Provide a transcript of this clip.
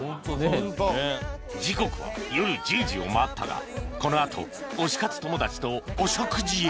時刻は夜１０時を回ったがこのあと推し活友達とお食事へ